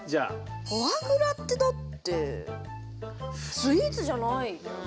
フォアグラってだってスイーツじゃない。